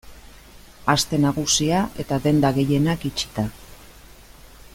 Aste Nagusia eta denda gehienak itxita.